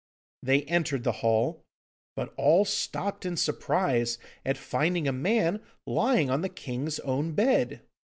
They entered the hall, but all stopped in surprise at finding a man lying on the king's own bed.